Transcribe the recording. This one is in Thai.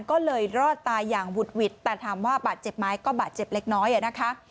ก็เลยรอดตายอย่างหุดหวิดแต่ถามว่าบาดเจ็บไหมก็บาดเจ็บเล็กน้อยนะคะ